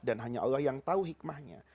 dan hanya allah yang tahu hikmahnya